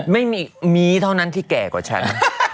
ไม่มีมีเท่านั้นที่แก่กว่าฉัน